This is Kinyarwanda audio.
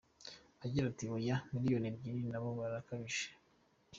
Agira ati: “Oya, miliyoni ebyiri na bo barakabije.